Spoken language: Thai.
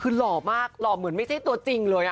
คือหล่อมากหล่อเหมือนไม่ใช่ตัวจริงเลย